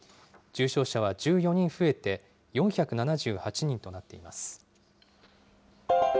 重症者は１４人増えて４７８人となっています。